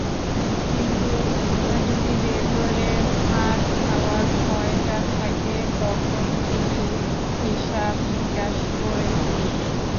কিন্তু যদি ভেতরে মার খাওয়ার ভয়টা থাকে, তখন কিন্তু হিসাব-নিকাশ করে চলবে।